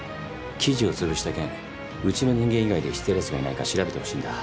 記事を潰した件うちの人間以外で知ってるやつがいないか調べてほしいんだ。